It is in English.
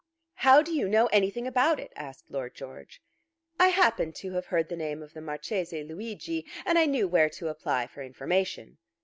"How do you know anything about it?" asked Lord George. "I happened to have heard the name of the Marchese Luigi, and I knew where to apply for information."